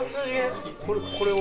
これは？